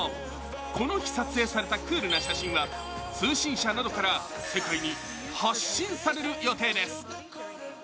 この日、撮影されたクールな写真は通信社などから世界に発信される予定です。